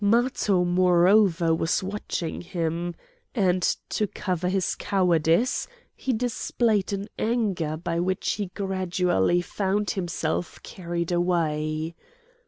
Matho, moreover, was watching him, and to cover his cowardice he displayed an anger by which he gradually found himself carried away.